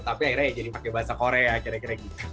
tapi akhirnya ya jadi pakai bahasa korea kira kira gitu